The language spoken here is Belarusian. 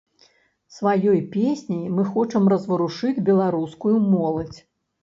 Сваёй песняй мы хочам разварушыць беларускую моладзь.